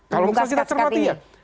kalau bukan kita cermati ya